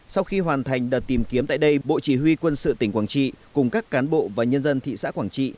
sau khi hoàn thành đợt tìm kiếm tại đây bộ chỉ huy quân sự tỉnh quảng trị cùng các cán bộ và nhân dân thị xã quảng trị